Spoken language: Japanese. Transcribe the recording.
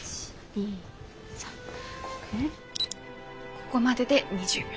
ここまでで２０秒。